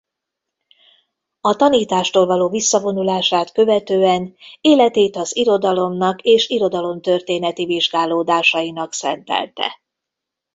A tanítástól való visszavonulását követően életét az irodalomnak és irodalomtörténeti vizsgálódásainak szentelte.